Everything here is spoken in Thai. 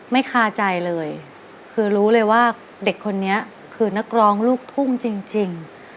คาใจเลยคือรู้เลยว่าเด็กคนนี้คือนักร้องลูกทุ่งจริง